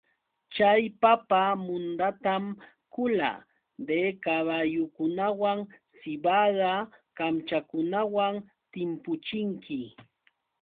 Chay papa mundatam kula de kaballukunawan sibada kamchakunawan timpuchinki.